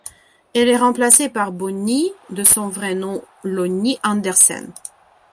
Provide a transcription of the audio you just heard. Elle est remplacée par Bonni, de son vrai nom Lonni Andersen.